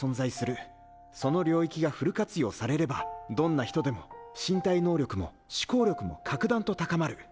その領域がフル活用されればどんな人でも身体能力も思考力も格段と高まる。